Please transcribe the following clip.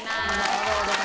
なるほどね。